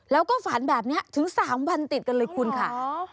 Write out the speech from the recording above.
แล้วก็ฝันแบบนี้ถึง๓วันติดกันเลยคุณค่ะ